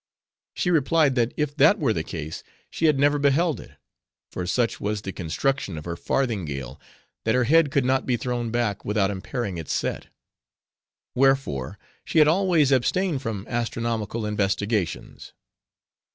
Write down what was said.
She replied, that if that were the case, she had never beheld it; for such was the construction of her farthingale, that her head could not be thrown back, without impairing its set. Wherefore, she had always abstained from astronomical investigations.